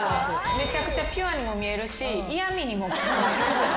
めちゃくちゃピュアにも見えるし嫌みにも。